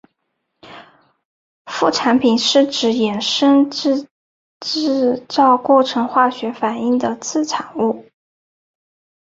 副产品是指衍生自制造过程或化学反应的次产物。